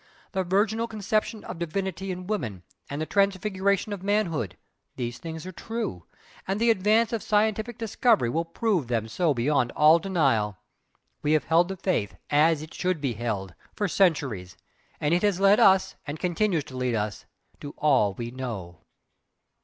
The virginal conception of divinity in woman, and the transfiguration of manhood, these things are true and the advance of scientific discovery will prove them so beyond all denial. We have held the faith, AS IT SHOULD BE HELD, for centuries, and it has led us, and continues to lead us, to all we know."